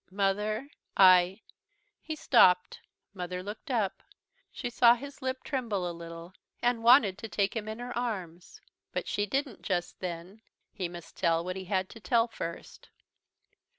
"Mother I " He stopped. Mother looked up. She saw his lip tremble a little and wanted to take him in her arms. But she didn't just then. He must tell what he had to tell, first.